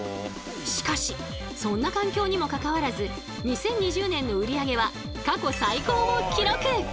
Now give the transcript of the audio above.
しかしそんな環境にもかかわらず２０２０年の売り上げは過去最高を記録！